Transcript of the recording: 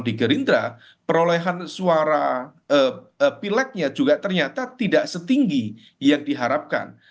di gerindra perolehan suara pileknya juga ternyata tidak setinggi yang diharapkan